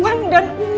uang dan uang